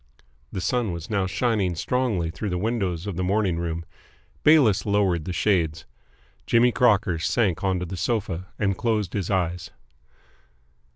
The sun was now shining strongly through the windows of the morning room. Bayliss lowered the shades. Jimmy Crocker sank onto the sofa, and closed his eyes.